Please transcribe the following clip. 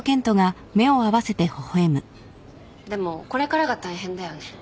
でもこれからが大変だよね。